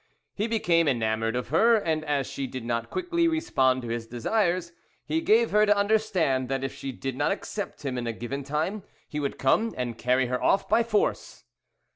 He became enamoured of her, and as she did not quickly respond to his desires, he gave her to understand that if she did not accept him in a given time he would come and carry her off by force.